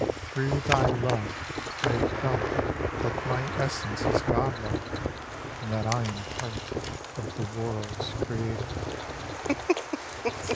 Through thy love I have felt That my essence is god'like And that I am part Of the world's Creator.